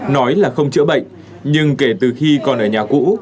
nói là không chữa bệnh nhưng kể từ khi còn ở nhà cũ